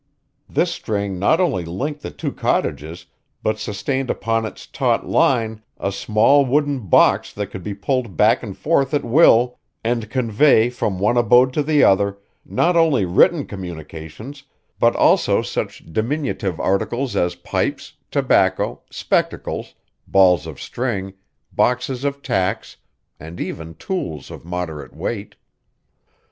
This string not only linked the two cottages but sustained upon its taut line a small wooden box that could be pulled back and forth at will and convey from one abode to the other not only written communications but also such diminutive articles as pipes, tobacco, spectacles, balls of string, boxes of tacks, and even tools of moderate weight.